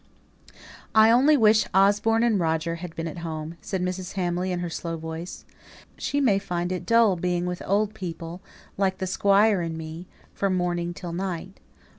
"I only wish Osborne and Roger had been at home," said Mrs. Hamley, in her low soft voice. "She may find it dull, being with old people, like the squire and me, from morning till night.